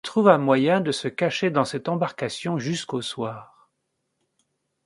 Il trouva moyen de se cacher dans cette embarcation jusqu’au soir.